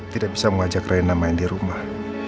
tidak bisa mengajak reina main di rumah